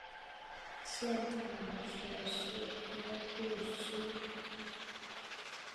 县治卡索波利斯。